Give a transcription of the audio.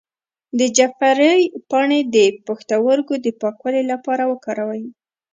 د جعفری پاڼې د پښتورګو د پاکوالي لپاره وکاروئ